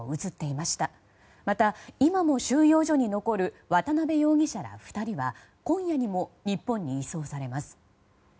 また、今も収容所に残る渡邉容疑者ら２人は今夜にも日本に移送されます。